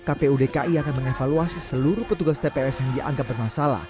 kpu dki akan mengevaluasi seluruh petugas tps yang dianggap bermasalah